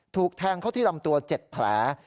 ถูกแทงเข้าที่ลำตัว๗แผล